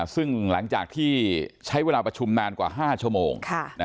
ซึ่งหลังจากที่ใช้เวลาประชุมนานกว่า๕ชั่วโมง